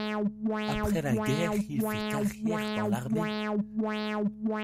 Après la guerre, il fait carrière dans l'armée.